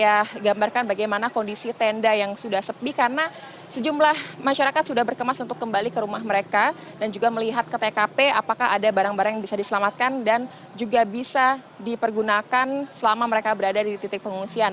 saya gambarkan bagaimana kondisi tenda yang sudah sepi karena sejumlah masyarakat sudah berkemas untuk kembali ke rumah mereka dan juga melihat ke tkp apakah ada barang barang yang bisa diselamatkan dan juga bisa dipergunakan selama mereka berada di titik pengungsian